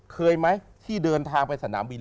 เคยไหมที่เดินทางไปสนามบิน